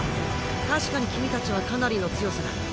確かに君たちはかなりの強さだ。